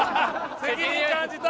責任感じた。